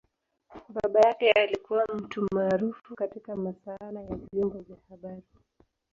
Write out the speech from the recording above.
Baba yake alikua mtu maarufu katika masaala ya vyombo vya habari.